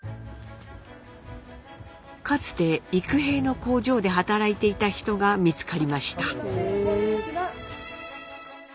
かつて幾平の工場で働いていた人が見つかりました。